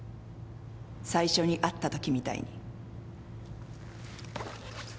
最初に会ったときみたいに。